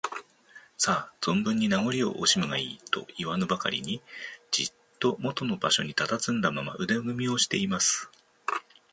「さあ、ぞんぶんに名ごりをおしむがいい」といわぬばかりに、じっともとの場所にたたずんだまま、腕組みをしています。